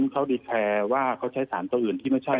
ว่าเขาใช้สารตัวอื่นที่ไม่ใช่